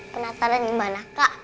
penasaran gimana kak